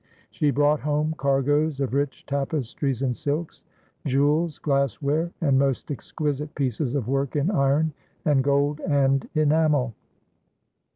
She brought home cargoes of rich tapestries and silks, jewels, glass ware, and most exquisite pieces of work in iron and gold and enamel.